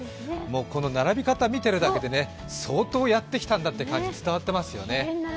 この並び方を見てるだけで相当やってきたんだって伝わってきますよね。